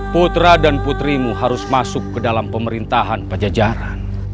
putra dan putrimu harus masuk ke dalam pemerintahan pajajaran